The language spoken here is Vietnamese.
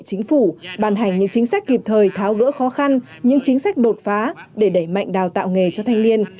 chính phủ bàn hành những chính sách kịp thời tháo gỡ khó khăn những chính sách đột phá để đẩy mạnh đào tạo nghề cho thanh niên